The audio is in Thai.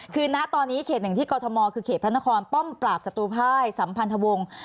คือณตอนนี้เขตหนึ่งที่กรทมคือเขตพระนครป้อมปราบศัตรูภายสัมพันธวงศ์